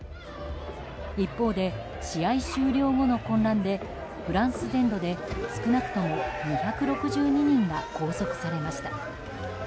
一方で試合終了後の混乱でフランス全土で少なくとも２６２人が拘束されました。